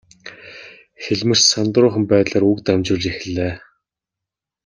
Хэлмэрч сандруухан байдлаар үг дамжуулж эхэллээ.